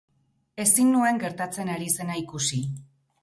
Ezin nuen gertatzen ari zena ikusi.